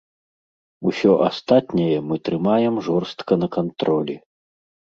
Усё астатняе мы трымаем жорстка на кантролі.